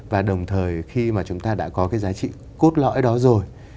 và đồng thời khi mà chúng ta đã có cái giá trị cốt lõi đó rồi